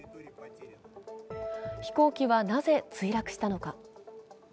飛行機は、なぜ墜落したのか。